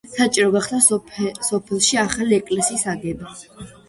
საჭირო გახდა სოფელში ახალი ეკლესიის აგება.